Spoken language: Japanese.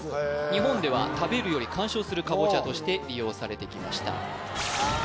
日本では食べるより観賞するカボチャとして利用されてきましたあ